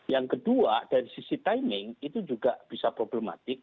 yang kedua dari sisi timing itu juga bisa problematik